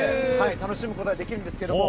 楽しむことができるんですけども。